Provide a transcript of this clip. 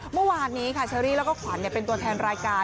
เมื่อวานนี้ค่ะเชอรี่แล้วก็ขวัญเป็นตัวแทนรายการ